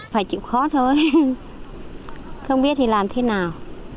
phải chịu khó thôi không biết thì làm thế nào